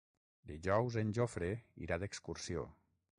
Dijous en Jofre irà d'excursió.